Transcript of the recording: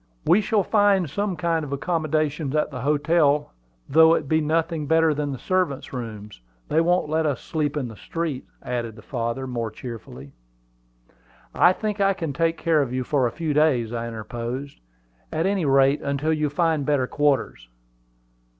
"We shall find some kind of accommodations at the hotels, though it be nothing better than the servants' rooms. They won't let us sleep in the streets," added the father, more cheerfully. "I think I can take care of you for a few days," I interposed; "at any rate, until you find better quarters."